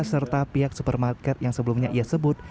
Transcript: serta pihak supermarket yang sebelumnya ia sebut